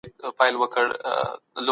د تجربې تکرار ته په عمل کې علم وایي.